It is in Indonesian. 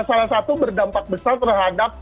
yang ternyata ini salah satu berdampak besar terhadap